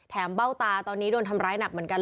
เบ้าตาตอนนี้โดนทำร้ายหนักเหมือนกัน